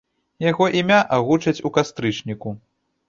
Яго імя агучаць у кастрычніку.